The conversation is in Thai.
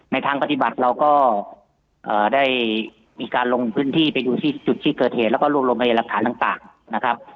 ทางปฏิบัติเราก็ได้มีการลงพื้นที่ไปดูที่จุดที่เกิดเหตุแล้วก็รวมรวมพยานหลักฐานต่างนะครับ